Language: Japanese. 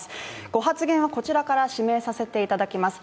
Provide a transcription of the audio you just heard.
ご発言はこちらから指名させていただきます。